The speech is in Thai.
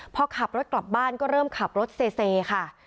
พอขับรถกลับบ้านก็เริ่มขับรถเซค่ะ